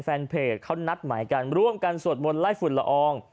แฟนเพจเขานัดหมายกันร่วมกันสวดมนต์ไล่ฝุ่นละออง